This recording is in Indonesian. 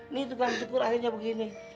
ini tukang cukur akhirnya begini